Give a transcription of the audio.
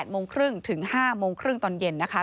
โมงครึ่งถึง๕โมงครึ่งตอนเย็นนะคะ